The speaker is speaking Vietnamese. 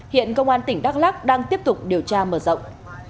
hiện công an tỉnh đắk lắc đang tiếp tục điều tra mở rộng